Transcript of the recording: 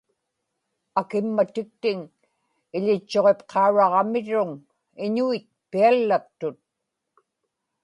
akimmatiktiŋ iḷitchuġipqauraqamirruŋ, iñuit piallaktut